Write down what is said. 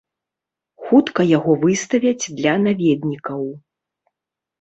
Хутка яго выставяць для наведнікаў.